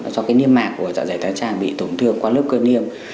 cho cái niêm mạc của dạ dày thái tràng bị tổn thương qua lớp cơ niêm